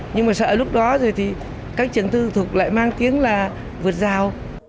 nhưng mà sợ lúc đó rồi thì các trường tư thuộc lại mang tiếng là vượt rào